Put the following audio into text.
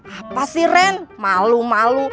apa sih ren malu malu